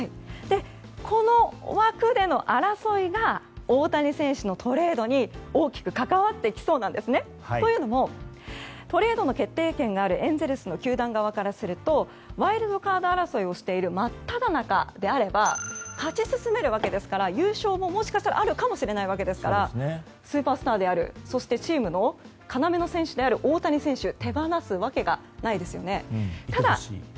この枠での争いが大谷選手のトレードに大きく関わってきそうなんですね。というのもトレードの決定権があるエンゼルスの球団側からするとワイルドカード争いをしている真っただ中であれば勝ち進めるわけですから優勝ももしかしたらあるわけですからスーパースターであるそしてチームの要である大谷選手を手放すわけがないですよね。